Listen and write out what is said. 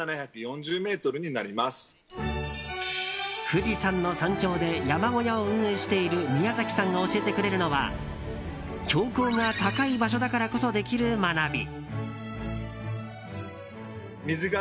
富士山の山頂で山小屋を運営している宮崎さんが教えてくれるのは標高が高い場所だからこそできる学び。